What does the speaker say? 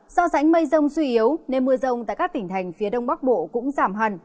do rãnh mây rông suy yếu nên mưa rông tại các tỉnh thành phía đông bắc bộ cũng giảm hẳn